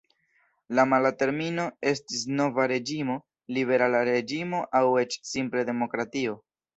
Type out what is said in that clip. La mala termino estis Nova Reĝimo, Liberala Reĝimo aŭ eĉ simple Demokratio.